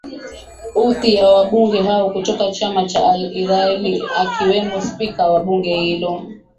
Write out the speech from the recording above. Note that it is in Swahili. uthi ya wabunge hao kutoka chama cha al iraila akiwemo spika wa bunge hilo